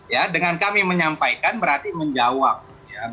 ya dengan kami menyampaikan berarti menjawab ya bahwasannya koalisi perubahan ini